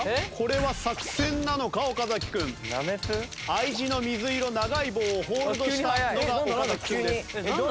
Ｉ字の水色長い棒をホールドしたのが岡君です。